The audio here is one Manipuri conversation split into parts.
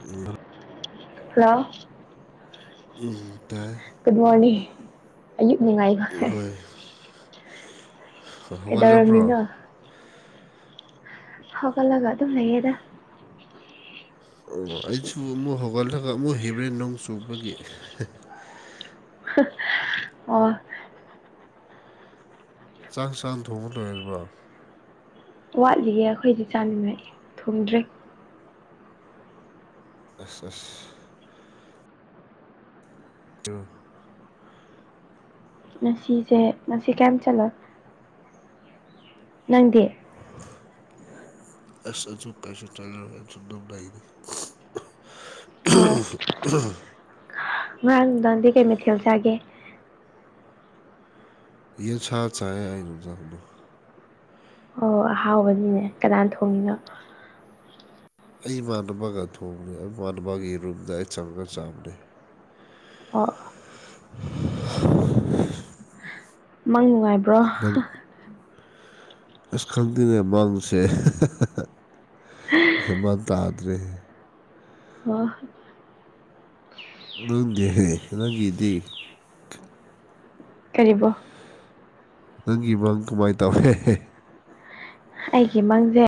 ꯎꯝ [unintelligible] ꯍꯜꯂꯣ ꯎꯝ ꯇꯥꯏ ꯒꯨꯗ ꯃꯣꯔꯅꯤꯡ ꯑꯌꯨꯛ ꯅꯨꯡꯉꯥꯏꯕ ꯍꯣꯏ ꯍꯧꯒꯠꯂꯕ꯭ꯔꯣ ꯀꯩꯗꯧꯔꯝꯃꯤꯅꯣ ꯍꯧꯒꯠꯂꯒ ꯑꯗꯨꯝ ꯂꯩꯌꯦꯗ ꯑꯣ ꯑꯩꯁꯨ ꯑꯃꯨꯛ ꯍꯧꯒꯠꯂꯒ ꯑꯃꯨꯛ ꯍꯤꯝꯔꯦ ꯅꯣꯡ ꯆꯨꯕꯒꯤ [unintelligible] ꯑꯣ ꯆꯥꯛ ꯁꯥꯡ ꯊꯣꯡꯕ ꯂꯣꯏꯔꯕꯣ ꯋꯥꯠꯂꯤꯌꯦ ꯑꯩꯈꯣꯏꯗꯤ ꯆꯥꯅꯤꯡ ꯉꯥꯏ ꯊꯣꯡꯗ꯭ꯔꯤ ꯑꯁ ꯑꯁ ꯇꯨ ꯉꯁꯤꯁꯦ ꯉꯁꯤ ꯀꯔꯤꯝ ꯆꯠꯂꯣꯏ ꯅꯪꯗꯤ ꯑꯁ ꯑꯩꯁꯨ ꯀꯩꯁꯨ ꯆꯠꯂꯣꯏ [unintelligible] [unintelligible] ꯉꯥꯔꯥꯡ ꯅꯨꯡꯗꯥꯡꯗꯤ ꯀꯩ ꯃꯊꯦꯜ ꯆꯥꯒꯦ ꯌꯦꯟꯁꯥ ꯆꯥꯏ ꯅꯨꯡꯗꯥꯡꯗꯣ ꯑꯣ ꯑꯍꯥꯎꯕꯅꯤꯅꯦ ꯀꯅꯥꯟ ꯊꯣꯡꯉꯤꯅꯣ ꯑꯩ ꯏꯃꯥꯟꯅꯕꯒ ꯊꯣꯡꯕꯅꯦ ꯏꯃꯥꯟꯅꯕꯒꯤ ꯔꯨꯝꯗ ꯑꯩ ꯆꯪꯉꯒ ꯆꯥꯕꯅꯦ ꯑꯣ ꯃꯪ ꯅꯨꯡꯉꯥꯏꯕ꯭ꯔꯣ ꯅꯪ ꯑꯁ ꯈꯪꯗꯦꯅꯦ ꯃꯪꯁꯦ ꯍꯦ ꯃꯥꯟ ꯇꯥꯗ꯭ꯔꯦ ꯑꯣ ꯅꯪꯗꯤ ꯍꯦ ꯅꯪꯒꯤꯗꯤ ꯀꯔꯤꯕꯣ ꯅꯪꯒꯤ ꯃꯪ ꯀꯃꯥꯏꯟ ꯇꯧꯔꯦ ꯍꯦ ꯍꯦ ꯑꯩꯒꯤ ꯃꯪꯖꯦ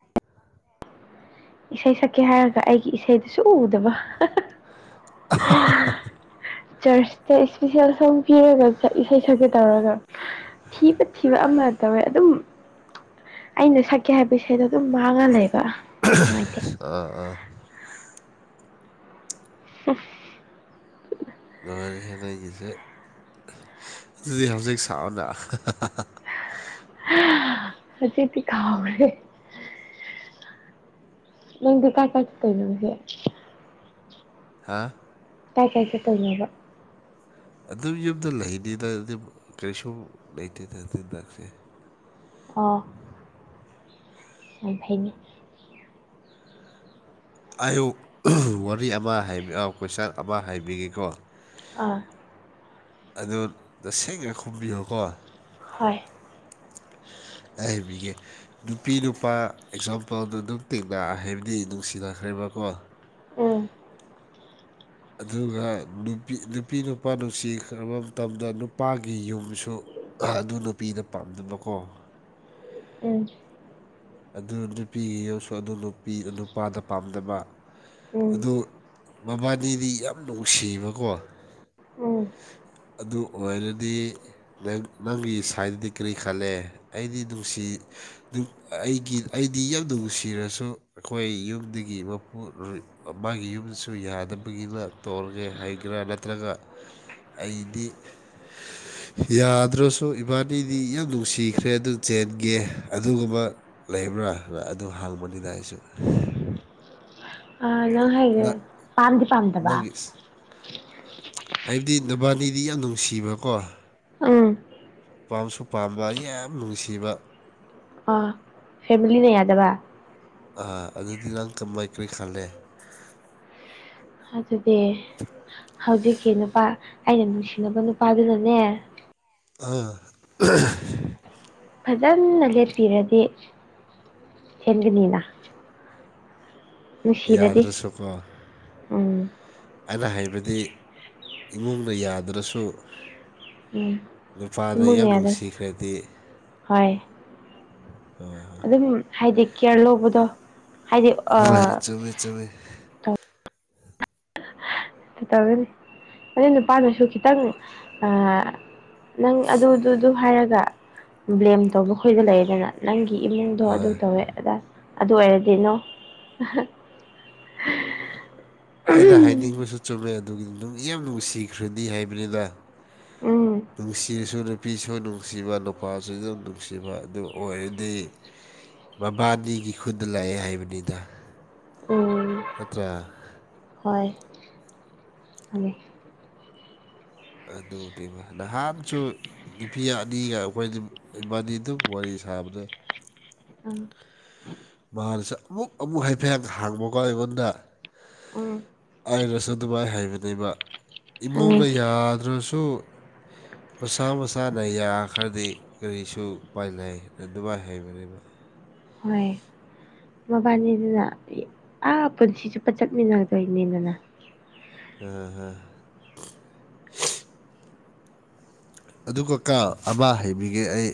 ꯏꯁꯩ ꯁꯛꯀꯦ ꯍꯥꯏꯔꯒ ꯑꯩꯒꯤ ꯏꯁꯩꯗꯨ ꯁꯨꯛꯎ ꯎꯗꯕ [unintelligible] ꯆꯔꯆꯇ ꯏꯁꯄꯤꯁꯦꯜ ꯁꯣꯡ ꯄꯤꯔꯒ ꯏꯁꯩ ꯁꯛꯀꯦ ꯇꯧꯔꯒ ꯊꯤꯕ ꯊꯤꯕ ꯑꯃ ꯇꯧꯋꯦ ꯑꯗꯨꯝ ꯑꯩꯅ ꯁꯛꯀꯦ ꯍꯥꯏꯕ ꯏꯁꯩꯗꯣ ꯑꯗꯨꯝ ꯃꯥꯡꯉ ꯂꯩꯩꯕ [unintelligible] [unintelligible] ꯅꯪꯒꯤꯁꯦ ꯑꯗꯨꯗꯤ ꯍꯧꯖꯤꯛ ꯁꯥꯛꯎꯅ ꯍꯧꯖꯤꯛꯇꯤ ꯀꯥꯎꯔꯦꯍꯦ ꯅꯪꯗꯤ ꯀꯥꯏ ꯀꯥꯏ ꯆꯠꯇꯣꯏꯅꯣ ꯍꯧꯖꯤꯛ ꯍꯥꯥ ꯀꯥꯏ ꯀꯥꯏ ꯆꯠꯇꯣꯏꯅꯣꯕ ꯑꯗꯨꯝ ꯌꯨꯝꯗ ꯂꯩꯅꯤꯗ ꯑꯗꯨꯝ ꯀꯔꯤꯁꯨ ꯂꯩꯇꯦꯗ ꯑꯗꯨꯅꯈ꯭ꯔꯦ ꯑꯥ ꯌꯥꯝ ꯐꯩꯅꯦ ꯑꯌꯨꯛ ꯋꯥꯔꯤ ꯑꯃ ꯍꯥꯏꯕꯤ ꯑ ꯀꯣꯏꯁꯟ ꯑꯃ ꯍꯥꯏꯕꯤꯒꯦꯀꯣ ꯑꯥ ꯑꯗꯨ ꯇꯁꯦꯡꯅ ꯈꯨꯝꯕꯤꯌꯣꯀꯣ ꯍꯣꯏ ꯑꯩ ꯍꯥꯏꯕꯤꯒꯦ ꯅꯨꯄꯤ ꯅꯨꯄꯥ ꯑꯦꯛꯖꯥꯝꯄꯜꯗꯣ ꯑꯗꯨꯝ ꯇꯤꯡꯅ ꯍꯥꯏꯕꯗꯤ ꯅꯨꯡꯁꯤꯅꯈ꯭ꯔꯦꯕꯀꯣ ꯎꯝ ꯑꯗꯨꯒ ꯅꯨꯄꯤ ꯅꯨꯄꯤ ꯅꯨꯄꯥ ꯅꯨꯡꯁꯤꯈ꯭ꯔꯕ ꯃꯇꯝꯗ ꯅꯨꯄꯥꯒꯤ ꯌꯨꯝꯁꯨ ꯑꯗꯨ ꯅꯨꯄꯤꯗ ꯄꯥꯝꯗꯕꯀꯣ ꯎꯝ ꯑꯗꯨ ꯅꯨꯄꯤꯒꯤ ꯌꯨꯝꯁꯨ ꯑꯗꯨ ꯅꯨꯄꯤ ꯅꯨꯄꯥꯗꯣ ꯄꯥꯝꯗꯕ ꯎꯝ ꯑꯗꯨ ꯃꯕꯥꯅꯤꯗꯤ ꯌꯥꯝ ꯅꯨꯡꯁꯤꯕꯀꯣ ꯎꯝ ꯑꯗꯨ ꯑꯣꯏꯔꯗꯤ ꯅꯪ ꯅꯪꯒꯤ ꯁꯥꯏꯗꯨꯗꯤ ꯀꯔꯤ ꯈꯜꯂꯦ ꯑꯩꯗꯤ ꯅꯨꯡꯁꯤ ꯅꯪ ꯑꯩꯒꯤ ꯑꯩꯗꯤ ꯌꯥꯝꯅ ꯅꯨꯡꯁꯤꯔꯁꯨ ꯑꯩꯈꯣꯏ ꯌꯨꯝꯗꯒꯤ ꯃꯄꯨ ꯔꯣꯏꯠ ꯃꯥꯒꯤ ꯌꯨꯝꯁꯨ ꯌꯥꯗꯕꯒꯤꯅ ꯇꯧꯔꯒꯦ ꯍꯥꯏꯒꯦꯔꯥ ꯅꯠꯇ꯭ꯔꯒ ꯑꯩꯗꯤ [inaudible] ꯌꯥꯗ꯭ꯔꯁꯨ ꯏꯕꯥꯅꯤꯗꯤ ꯌꯥꯝ ꯅꯨꯡꯁꯤꯈ꯭ꯔꯦ ꯑꯗꯨ ꯆꯦꯟꯒꯦ ꯑꯗꯨꯒꯨꯝꯕ ꯂꯩꯕ꯭ꯔꯥ ꯑꯗꯨ ꯍꯪꯕꯅꯤꯗ ꯑꯩꯁꯨ ꯑꯥ ꯅꯪ ꯍꯥꯏꯁꯦ ꯅ ꯄꯥꯝꯗꯤ ꯄꯥꯝꯗꯕ ꯅꯪꯒꯤꯁ ꯍꯥꯏꯕꯗꯤ ꯅꯕꯥꯅꯤꯗꯤ ꯌꯥꯝ ꯅꯨꯡꯁꯤꯕꯀꯣ ꯎꯝ ꯄꯥꯝꯁꯨ ꯄꯥꯝꯕ ꯌꯥꯝ ꯅꯨꯡꯁꯤꯕ ꯑꯥ ꯐꯦꯃꯤꯂꯤꯅ ꯌꯥꯗꯕ ꯑꯥ ꯑꯗꯨꯗꯤ ꯅꯪ ꯀꯥꯃꯥꯏ ꯀꯔꯤ ꯈꯜꯂꯦ ꯑꯗꯨꯗꯤ ꯍꯧꯖꯤꯛꯀꯤ ꯅꯨꯄꯥ ꯑꯩꯅ ꯅꯨꯡꯁꯤꯅꯕ ꯅꯨꯄꯥꯗꯨꯅꯅꯦ ꯑꯥ [unintelligible] ꯐꯖꯟꯅ ꯂꯦꯞꯄꯤꯔꯗꯤ ꯍꯦꯟꯒꯅꯤꯅ ꯌꯥꯗ꯭ꯔꯁꯨꯀꯣ ꯎꯝ ꯑꯩꯅ ꯍꯥꯏꯕꯗꯤ ꯏꯃꯨꯡꯅ ꯌꯥꯗ꯭ꯔꯁꯨ ꯎꯝ ꯅꯨꯄꯥꯅ ꯏꯃꯨꯡꯅ ꯌꯥꯝ ꯌꯥꯗ꯭ꯔꯦ ꯅꯨꯡꯁꯤꯈ꯭ꯔꯦꯗꯤ ꯍꯣꯏ ꯑꯗꯨꯝ ꯍꯥꯏꯗꯤ ꯀꯦꯌꯔ ꯂꯧꯕꯗꯣ ꯍꯥꯏꯗꯤ ꯍꯣꯏ ꯆꯨꯝꯃꯤ ꯆꯨꯝꯃꯤ ꯀꯩꯇꯧꯔꯅꯤ ꯍꯣꯔꯦꯟ ꯅꯨꯄꯥꯅꯁꯨ ꯈꯤꯇꯪ ꯑ ꯅꯪ ꯑꯗꯨ ꯗꯨ ꯗꯨ ꯍꯥꯏꯔꯒ ꯕ꯭ꯂꯦꯝ ꯇꯧꯕ ꯈꯣꯏꯒ ꯂꯩꯗꯅ ꯅꯪꯒꯤ ꯏꯃꯨꯡꯗꯣ ꯑꯗꯨ ꯍꯣꯏ ꯇꯧꯋꯦ ꯑꯗꯥ ꯑꯗꯨ ꯑꯣꯏꯔꯗꯤ ꯅꯣ [inaudible] ꯑꯩꯅ ꯍꯥꯏꯅꯤꯡꯕꯁꯨ ꯆꯨꯝꯃꯦ ꯑꯗꯨꯒꯤꯗꯤ ꯅꯨꯡꯗꯤꯌꯥꯝ ꯅꯨꯡꯁꯤꯈ꯭ꯔꯗꯤ ꯍꯥꯏꯕꯅꯤꯗ ꯎꯝ ꯅꯨꯡꯁꯤꯔꯁꯨ ꯅꯨꯄꯤꯁꯨ ꯅꯨꯡꯁꯤꯕ ꯅꯨꯄꯥꯁꯨ ꯑꯗꯨꯝ ꯅꯨꯡꯁꯤꯕ ꯑꯗꯨ ꯑꯣꯏꯔꯗꯤ ꯕꯕꯥꯅꯤꯒꯤ ꯈꯨꯗ ꯂꯩꯌꯦ ꯍꯥꯏꯕꯅꯤꯗ ꯎꯝ ꯅꯠꯇ꯭ꯔꯥ ꯍꯣꯏ ꯍꯣꯏꯌꯦ ꯑꯗꯨꯗꯤ ꯃꯥ ꯅꯍꯥꯟꯁꯨ ꯅꯨꯄꯤ ꯑꯅꯤꯒ ꯑꯩꯈꯣꯏꯗꯤ ꯏꯕꯥꯅꯤ ꯑꯗꯨꯝ ꯋꯥꯔꯤ ꯁꯥꯕꯅꯦ ꯑꯥ ꯃꯥꯅꯁꯨ ꯑꯃꯨꯛ ꯑꯃꯨ ꯍꯥꯏꯐꯦꯠ ꯍꯥꯡꯕꯀꯣ ꯑꯩꯉꯣꯟꯗ ꯎꯝ ꯑꯩꯅꯁꯨ ꯑꯗꯨꯃꯥꯏ ꯍꯥꯏꯕꯅꯦꯕ ꯏꯃꯨꯡꯅ ꯈꯪꯉꯦ ꯌꯥꯗ꯭ꯔꯁꯨ ꯃꯁꯥ ꯃꯁꯥꯅ ꯌꯥꯈ꯭ꯔꯗꯤ ꯀꯔꯤꯁꯨ ꯎꯄꯥꯏ ꯂꯩꯥ ꯑꯗꯨꯃꯥꯏ ꯍꯥꯏꯕꯅꯦꯕ ꯍꯣꯏ ꯃꯕꯥꯅꯤꯗꯨꯅ ꯑꯥ ꯄꯨꯟꯁꯤ ꯆꯨꯞꯄ ꯆꯠꯃꯤꯟꯅꯗꯣꯏꯅꯤꯗꯅ [unintelligible] ꯑꯗꯨꯒꯀꯣ ꯑꯃ ꯍꯥꯏꯕꯤꯒꯦ ꯑꯩ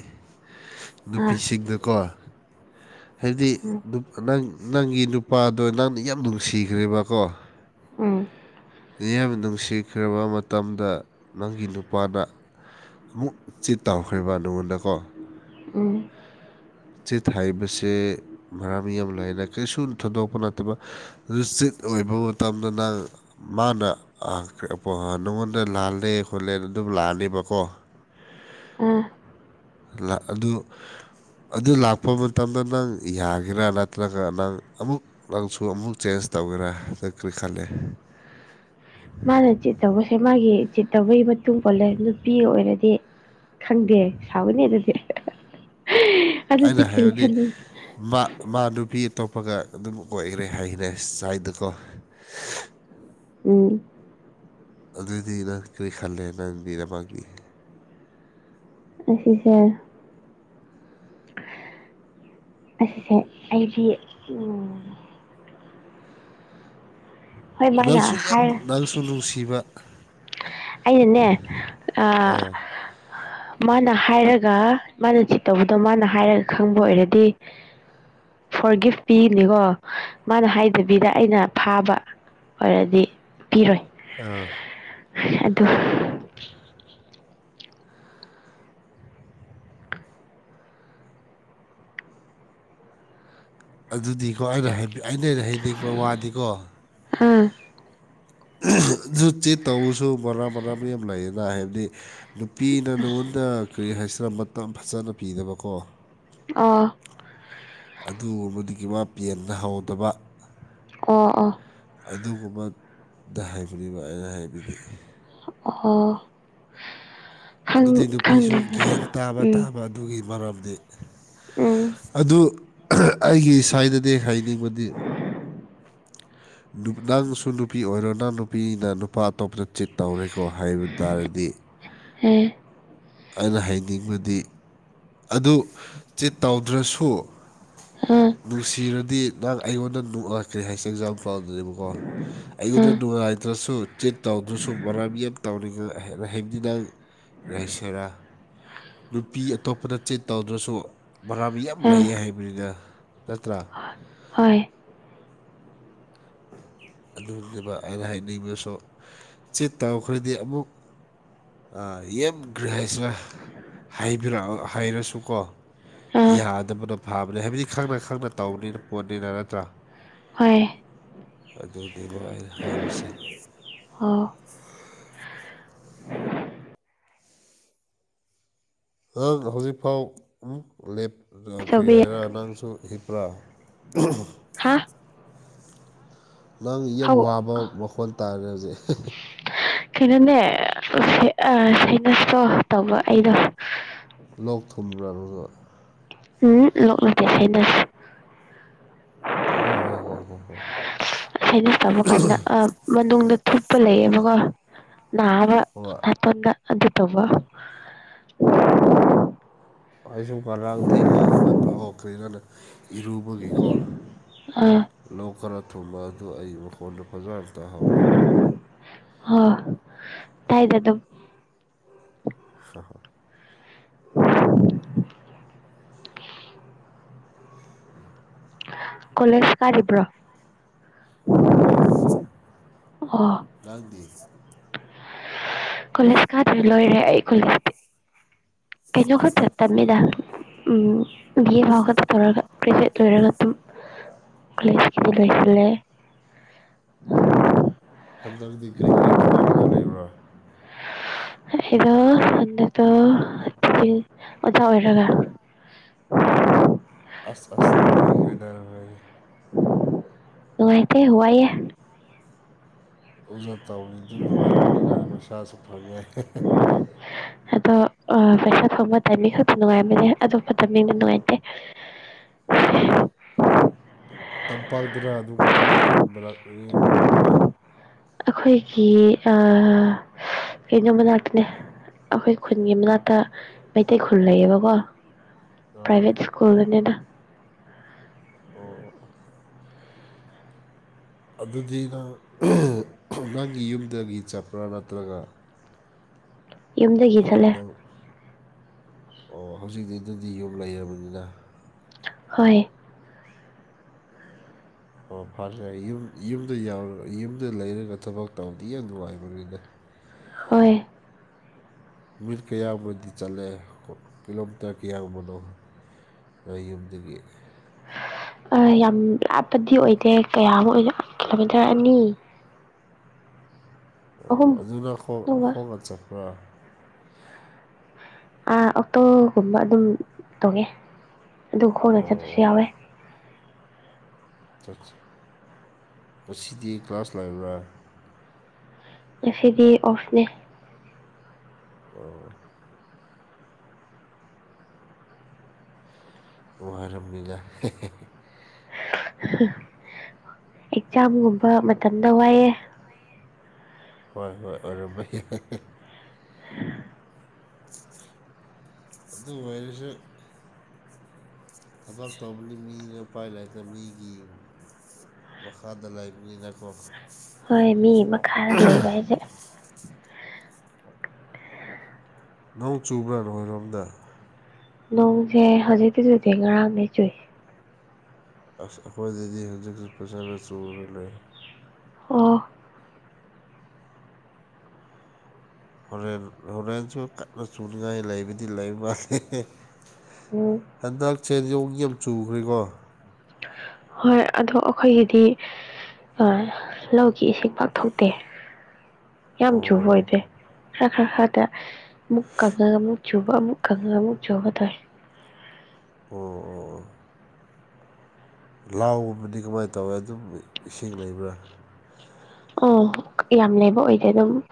ꯑꯥ ꯅꯨꯄꯤꯁꯤꯡꯗꯀꯣ ꯍꯥꯏꯕꯗꯤ ꯎꯝ ꯅꯨ ꯅꯪ ꯅꯪꯒꯤ ꯅꯨꯄꯥꯗꯣ ꯅꯪꯅ ꯌꯥꯝ ꯅꯨꯡꯁꯤꯈ꯭ꯔꯦꯕꯀꯣ ꯎꯝ ꯌꯥꯝꯅ ꯅꯨꯡꯁꯤꯈ꯭ꯔꯕ ꯃꯇꯝꯗ ꯅꯪꯒꯤ ꯅꯨꯄꯥꯅ ꯑꯃꯨꯛ ꯆꯤꯠ ꯇꯥꯎꯈ꯭ꯔꯤꯕ ꯅꯉꯣꯟꯗꯀꯣ ꯎꯝ ꯆꯤꯠ ꯍꯥꯏꯕꯁꯦ ꯃꯔꯝ ꯌꯥꯝ ꯂꯩꯔꯦ ꯀꯔꯤꯁꯨ ꯊꯣꯏꯗꯣꯛꯄ ꯅꯠꯇꯕ ꯑꯗꯨ ꯆꯤꯠ ꯑꯣꯏꯕ ꯃꯇꯝꯗ ꯅꯪ ꯃꯥꯅ ꯑꯥ ꯅꯉꯣꯟꯗ ꯂꯥꯜꯂꯦ ꯈꯣꯠꯂꯦ ꯑꯗꯨꯝ ꯂꯥꯑꯅꯦꯕꯀꯣ [inaudible] ꯂꯥ ꯑꯗꯨ ꯑꯗꯨ ꯂꯥꯛꯄ ꯃꯇꯝꯗ ꯅꯪ ꯌꯥꯒꯦꯔꯥ ꯅꯠꯇ꯭ꯔꯒ ꯅꯪ ꯑꯃꯨꯛ ꯅꯪꯁꯨ ꯑꯃꯨꯛ ꯆꯦꯟꯖ ꯇꯧꯒꯦꯔꯥ ꯅꯪ ꯀꯔꯤ ꯈꯜꯂꯦ [inaudible] ꯃꯥꯅ ꯆꯤꯠꯇꯧꯕꯁꯦ ꯃꯥꯒꯤ ꯆꯤꯠꯇꯧꯕꯩ ꯃꯇꯨꯡ ꯄꯣꯜꯂꯦ ꯅꯨꯄꯤ ꯑꯣꯏꯔꯗꯤ ꯈꯪꯗꯦ ꯁꯥꯎꯒꯅꯤ ꯑꯗꯨꯗꯤ ꯑꯗꯨꯗꯤ ꯑꯩꯅ ꯀꯔꯤ ꯍꯥꯏꯕꯗꯤ ꯈꯟꯅꯤ ꯃꯥ ꯃꯥ ꯅꯨꯄꯤ ꯑꯇꯣꯞꯄꯒ ꯑꯗꯨꯝ ꯑꯣꯏꯒ꯭ꯔꯦ ꯍꯥꯏꯒ꯭ꯔꯦ ꯁꯥꯏꯗꯀꯣ ꯎꯝ ꯑꯗꯨꯗꯤ ꯅꯪ ꯀ꯭ꯔꯤ ꯈꯜꯂꯦ ꯅꯪꯗꯤ ꯗꯃꯛꯅꯤ ꯑꯁꯤꯁꯦ ꯑꯁꯤꯁꯦ ꯑꯩꯒꯤ ꯍꯣꯏ ꯃꯥꯅ ꯅꯪꯁꯨ ꯌꯥꯝ ꯍꯥꯏꯔ ꯅꯪꯁꯨ ꯅꯨꯡꯁꯤꯕ ꯑꯩꯅꯅꯦ ꯑꯥ ꯃꯥꯅ ꯍꯥꯏꯔꯒ ꯃꯥꯅ ꯆꯤꯠ ꯇꯧꯕꯗꯣ ꯃꯥꯅ ꯍꯥꯏꯔꯒ ꯈꯪꯕ ꯑꯣꯏꯔꯗꯤ ꯐꯣꯔꯒꯤꯐ ꯄꯤꯅꯤꯀꯣ ꯃꯥꯅ ꯍꯥꯏꯗꯕꯤꯗ ꯑꯩꯅ ꯐꯥꯕ ꯑꯣꯏꯔꯗꯤ ꯄꯤꯔꯣꯏ ꯑꯥ ꯑꯗꯨ ꯑꯗꯨꯗꯤꯀꯣ ꯑꯩꯅ ꯍꯥꯏꯅꯤ ꯑꯩꯅ ꯍꯥꯏꯅꯤꯡꯕ ꯋꯥꯗꯤꯀꯣ ꯎꯝ ꯑꯗꯨꯗꯤ ꯇꯧꯁꯨ ꯕꯣꯔꯕꯣꯔꯕꯤ ꯌꯥꯝ ꯂꯩꯌꯦꯅ ꯍꯥꯏꯕꯗꯤ ꯅꯨꯄꯤꯅ ꯅꯉꯣꯟꯗ ꯀꯔꯤ ꯍꯥꯏꯁꯤꯔ ꯃꯇꯝ ꯐꯖꯅ ꯄꯤꯗꯕꯀꯣ ꯑꯥ ꯑꯗꯨꯒꯨꯝꯕꯗꯒꯤ ꯃꯥ ꯄꯦꯟꯅ ꯍꯧꯗꯕ ꯑꯣ ꯑꯣ ꯑꯗꯨꯒꯨꯝꯕꯗ ꯍꯥꯏꯕꯅꯦꯕ ꯑꯩꯅ ꯍꯥꯏꯕꯗꯤ ꯑꯣꯍꯣ ꯑꯗꯨꯗꯤ ꯅꯨꯄꯤꯁꯨ ꯒꯦꯟ ꯈꯪꯗꯦꯗ ꯇꯥꯕ ꯎꯝ ꯇꯥꯕ ꯑꯗꯨꯒꯤ ꯃꯔꯝꯗꯤ ꯎꯝ ꯑꯗꯨ ꯑꯩꯒꯤ ꯁꯥꯏꯗꯗꯤ ꯍꯥꯏꯅꯤꯡꯕꯗꯤ [inaudible] ꯅꯨꯞ ꯅꯪꯁꯨ ꯅꯨꯄꯤ ꯑꯣꯏꯔꯣ ꯅꯪ ꯅꯨꯄꯤꯅ ꯅꯨꯄꯥ ꯑꯇꯣꯞꯄꯗ ꯆꯤꯠ ꯇꯧꯔꯦꯀꯣ ꯍꯥꯏꯕ ꯇꯥꯔꯗꯤ ꯑꯦ ꯑꯅ ꯍꯥꯏꯅꯤꯡꯕꯗꯤ ꯑꯗꯨ ꯆꯤꯠ ꯇꯧꯗ꯭ꯔꯁꯨ ꯑꯥ ꯅꯨꯡꯁꯤꯔꯗꯤ ꯅꯪ ꯑꯩꯉꯣꯟꯗ ꯅꯨꯡꯑꯥ ꯀꯩ ꯍꯥꯏꯁꯦ ꯖꯥꯝꯄꯜꯗꯦꯕꯀꯣ ꯑꯩꯉꯣꯟꯗ ꯅꯨꯉꯥꯏꯇ꯭ꯔꯁꯨ ꯆꯤꯠ ꯇꯧꯗ꯭ꯔꯁꯨ [unintelligible] ꯍꯥꯏꯕꯗꯤ ꯅꯪ ꯔꯩꯁꯦꯔꯥ ꯅꯨꯄꯤ ꯑꯇꯣꯞꯄꯗ ꯆꯤꯠ ꯇꯧꯗ꯭ꯔꯁꯨ ꯃꯔꯥꯕꯤ ꯌꯥꯝ ꯑꯥ ꯂꯩꯌꯦ ꯍꯥꯏ ꯃꯤꯗ ꯅꯠꯇ꯭ꯔꯥ ꯑꯥ ꯍꯣꯏ ꯑꯗꯨꯅꯤꯕ ꯑꯩꯅ ꯍꯥꯏꯅꯤꯡꯕꯁꯨ ꯆꯤꯠ ꯇꯧꯈ꯭ꯔꯗꯤ ꯑꯃꯨꯛ ꯑꯥ ꯌꯥꯝ ꯒ꯭ꯔꯥ ꯍꯥꯏꯁꯤꯔ ꯍꯥꯏꯕꯤꯔꯛꯑꯣ ꯍꯥꯏꯔꯁꯨꯀꯣ ꯑꯥ ꯌꯥꯗꯕꯗꯣ ꯐꯕꯅꯦ ꯍꯥꯏꯕꯗꯤ ꯈꯪꯅ ꯈꯪꯅ ꯇꯧꯕꯅꯤꯅ ꯄꯣꯠꯅꯤꯅ ꯅꯠꯇ꯭ꯔꯥ ꯍꯣꯏ ꯑꯗꯨꯅꯤꯕ ꯑꯩꯅ ꯍꯥꯏꯕꯁꯦ ꯍꯣ ꯅꯪ ꯍꯧꯖꯤꯛꯐꯥꯎ ꯑꯃꯨꯛ ꯂꯦꯞ ꯔꯥ ꯀꯔꯤ ꯑꯆꯧꯕꯤ ꯍꯥꯏꯔ ꯅꯪꯁꯨ ꯍꯤꯞꯄ꯭ꯔ ꯍꯥꯥ ꯅꯪ ꯌꯥꯝ ꯍꯧ ꯋꯥꯕ ꯃꯈꯣꯟ ꯇꯥꯔꯦ ꯍꯧꯖꯤꯛ ꯀꯩꯅꯣꯅꯦ ꯑ ꯁꯥꯏꯅꯁ ꯀꯣ ꯇꯧꯕ ꯑꯩꯅ ꯂꯣꯛ ꯊꯨꯝꯕ꯭ꯔꯥ ꯅꯪꯖꯨ ꯑꯨꯝ ꯂꯣꯛ ꯅꯠꯇꯦ ꯁꯥꯏꯅꯁ ꯍꯣ ꯍꯣ ꯍꯣ ꯍꯣ ꯍꯣ ꯁꯥꯏꯅꯁ ꯇꯧꯕ ꯀꯥꯟꯗ ꯑꯥꯞ ꯃꯅꯨꯡꯗ ꯊꯨꯞꯄ ꯂꯩꯌꯦꯕꯀꯣ ꯅꯥꯕ ꯍꯣꯏ ꯑꯇꯝꯅ ꯑꯗꯨ ꯇꯧꯕ ꯑꯩꯖꯨꯅꯉꯔꯥꯡ ꯊꯦꯛꯅ ꯍꯧꯒꯠꯄꯒꯣ ꯀꯩꯅꯣꯅ ꯏꯔꯨꯕꯒꯤꯀꯣ ꯑꯥ ꯂꯣꯛ ꯈꯔ ꯊꯨꯡꯕ ꯑꯗꯨ ꯑꯩ ꯃꯈꯣꯟꯗꯣ ꯐꯖꯥꯟ ꯇꯥꯍꯧꯔꯣꯏ ꯍꯣ ꯇꯥꯏꯗ ꯑꯗꯨꯝ ꯍꯥꯍꯥ [inaudible] ꯀꯣꯂꯦꯖ ꯀꯥꯔꯤꯕ꯭ꯔꯣ ꯍꯣꯏ ꯍꯣꯏ ꯑꯣ ꯅꯪꯗꯤ ꯀꯣꯂꯦꯖ ꯀꯥꯗ꯭ꯔꯑ ꯂꯣꯏꯔꯦ ꯑꯩꯈꯣꯏ ꯀꯩꯅꯣ ꯈꯛꯇ ꯇꯝꯃꯤꯗ ꯎꯝ ꯕꯤꯌꯦ ꯐꯥꯎ ꯈꯠꯇ ꯇꯧꯔꯒ ꯀꯔꯦꯖꯦꯠ ꯂꯣꯏꯔꯒ ꯇꯨꯝ ꯀꯣꯂꯦꯖꯀꯤꯗꯤ ꯂꯣꯏꯁꯜꯂꯦ ꯍꯟꯗꯛꯇꯤ ꯀꯔꯤ ꯀꯔꯤ ꯍꯣꯠꯅꯥꯔꯒ ꯂꯩꯕ꯭ꯔꯥ [unintelligible] [inaudible] ꯑꯁ ꯑꯁ ꯅꯨꯡꯉꯥꯏꯈ꯭ꯔꯦꯗ ꯅꯈꯣꯏꯗꯤ ꯅꯨꯡꯉꯥꯏꯇꯦ ꯋꯥꯏꯌꯦ [unintelligible] ꯑꯗꯣ ꯑꯥ ꯄꯩꯁꯥ ꯐꯪꯕ ꯇꯥꯏꯃꯤꯡ ꯈꯛꯇ ꯅꯨꯡꯉꯥꯏꯕꯅꯦ ꯑꯗꯣ ꯐꯥꯠꯇꯃꯤꯡꯗꯤ ꯅꯨꯡꯉꯥꯏꯇꯦ [unintelligible] [unintelligible] ꯑꯩꯈꯣꯏꯒꯤ ꯑꯥ ꯀꯩꯅꯣ ꯃꯅꯥꯛꯇꯅꯦ ꯑꯩꯈꯣꯏ ꯈꯨꯟꯒꯤ ꯃꯅꯥꯛꯇ ꯃꯩꯇꯩ ꯈꯨꯟ ꯂꯩꯌꯦꯕꯀꯣ ꯑꯥ ꯑꯣ ꯄ꯭ꯔꯥꯏꯚꯦꯠ ꯏꯁ꯭ꯀꯨꯜꯗꯅꯦꯗꯥ ꯑꯣ ꯑꯣ ꯑꯗꯨꯗꯤ ꯅꯪ ꯑꯍꯦ ꯈꯨꯡꯒꯪꯒꯤ ꯌꯨꯝꯗꯒꯤ ꯆꯠꯄ꯭ꯔꯥ ꯅꯠꯇ꯭ꯔꯒ ꯌꯨꯝꯗꯒꯤ ꯆꯠꯂꯦ ꯅꯪ ꯑꯣ ꯍꯧꯖꯤꯛꯇꯤ ꯑꯗꯨꯗꯤ ꯌꯨꯝ ꯂꯩꯔꯕꯅꯤꯅ ꯍꯣꯏ ꯍꯣ ꯐꯔꯦ ꯌꯨꯝ ꯌꯨꯝꯗ ꯌꯥꯎ ꯌꯨꯝꯗ ꯂꯩꯔꯒ ꯊꯕꯛ ꯇꯧꯕꯗꯤ ꯌꯥꯝ ꯅꯨꯡꯉꯥꯏꯕꯅꯤꯗ ꯍꯣꯏ [unintelligible] ꯅꯣꯏ ꯌꯨꯝꯗꯒꯤ ꯌꯥꯝ ꯂꯥꯞꯄꯗꯤ ꯑꯣꯏꯗꯦ ꯀꯌꯥꯝ ꯑꯣꯏꯅ ꯀꯤꯂꯣꯃꯤꯇꯔ ꯑꯅꯤ ꯑꯣ ꯑꯍꯨꯝ ꯑꯗꯨꯅ ꯈꯣꯡ ꯑꯗꯨꯒ ꯈꯣꯡꯅ ꯆꯥꯠꯄ꯭ꯔꯥ ꯑꯥ ꯑꯣꯛꯇꯣꯒꯨꯝꯕ ꯑꯗꯨꯝ ꯇꯣꯡꯉꯦ ꯑꯗꯨ ꯈꯣꯡꯅ ꯆꯥꯠꯄꯁꯨ ꯑꯣ ꯌꯥꯎꯋꯦ ꯑꯆꯥꯆꯥ ꯉꯁꯤꯗꯤ ꯀ꯭ꯂꯥꯁ ꯂꯩꯕ꯭ꯔꯥ ꯉꯁꯤꯗꯤ ꯑꯣꯐꯅꯦ ꯑꯣ ꯋꯥꯔꯝꯅꯤꯗ ꯍꯦꯍꯦꯍꯦ ꯍꯥ ꯍꯨꯝ ꯑꯦꯛꯖꯥꯝꯒꯨꯝꯕ ꯃꯇꯝꯗ ꯋꯥꯏꯌꯦ ꯍꯣꯏ ꯍꯣꯏ ꯑꯣꯏꯔꯝꯕ ꯌꯥꯏ ꯍꯦꯍꯦꯍꯦ ꯢꯁꯗꯨ ꯑꯣꯏꯔꯁꯨ ꯊꯕꯛ ꯇꯧꯕꯅꯤ ꯃꯤꯅ ꯎꯄꯥꯏ ꯂꯩꯥꯏꯇ ꯃꯤꯒꯤ ꯃꯈꯥꯗ ꯂꯩꯕꯅꯤꯅꯀꯣ ꯍꯣꯏ ꯃꯤꯒꯤ ꯃꯈꯥꯗ ꯂꯩꯕ ꯍꯥꯏꯖꯦ ꯅꯣꯡ ꯆꯨꯕ꯭ꯔꯥ ꯅꯣꯏꯔꯣꯝꯗ ꯅꯣꯡꯖꯦ ꯍꯧꯖꯤꯛꯇꯤ ꯆꯨꯗꯦ ꯉꯔꯥꯡꯗꯩ ꯆꯨꯏ ꯑꯁ ꯑꯩꯈꯣꯏꯗꯗꯤ ꯍꯧꯖꯤꯛꯁꯨ ꯐꯖꯟꯅ ꯆꯨꯔ ꯂꯩ ꯑꯣ ꯍꯣꯔꯦꯟ ꯍꯣꯔꯦꯟꯁꯨ ꯀꯥꯟꯅ ꯆꯨꯅꯤꯡꯉꯥꯏ ꯂꯩꯕꯗꯤ ꯂꯩꯕ ꯃꯥꯜꯂꯦ ꯍꯦꯍꯦꯍꯦ ꯎꯝ ꯍꯥꯟꯗꯛꯁꯦ ꯌꯧ ꯌꯥꯝ ꯆꯨꯒ꯭ꯔꯦꯀꯣ ꯍꯥ ꯍꯣꯏ ꯑꯗꯣ ꯑꯩꯈꯣꯏꯒꯤꯗꯤ ꯑꯥ ꯂꯧꯒꯤ ꯏꯁꯤꯡ ꯄꯥꯛ ꯊꯣꯛꯇꯦ ꯌꯥꯝ ꯑꯣ ꯆꯨꯕ ꯑꯣꯏꯗꯦ ꯈꯔ ꯈꯔ ꯈꯔꯗ ꯑꯃꯨꯛ ꯀꯪꯉ ꯑꯃꯨꯛ ꯆꯨꯕ ꯑꯃꯨꯛ ꯀꯪꯉ ꯑꯃꯨꯛ ꯆꯨꯕ ꯇꯧꯋꯦ ꯑꯣ ꯂꯥꯎꯒꯨꯝꯕꯗꯤ ꯀꯃꯥꯏꯅ ꯇꯧꯋꯦ ꯑꯗꯨꯝ ꯏꯁꯤꯡ ꯂꯩꯕ꯭ꯔꯥ ꯑꯣ ꯌꯥꯝ ꯂꯦꯕ ꯑꯣꯏꯗꯦ ꯗꯨꯝ